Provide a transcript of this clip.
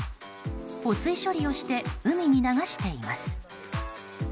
・汚水処理をして海に流しています。